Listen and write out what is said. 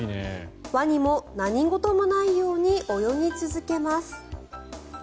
ワニも何事もないように泳ぎ続けます。